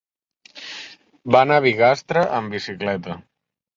Va anar a Bigastre amb bicicleta.